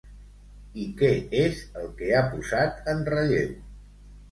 I què és el que ha posat en relleu?